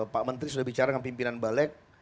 pak menteri sudah bicara dengan pimpinan balik